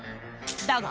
だが。